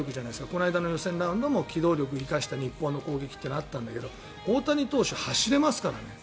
この間の予選ラウンドも機動力を生かした日本の攻撃ってあったんだけど大谷投手、走れますからね。